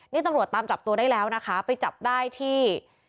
นี่ตำรวจตามจับตัวได้แล้วนะคะไปจับได้ที่